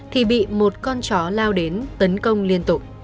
thì bị một con chó lao đến tấn công liên tục